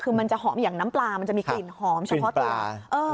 คือมันจะหอมอย่างน้ำปลามันจะมีกลิ่นหอมเฉพาะตา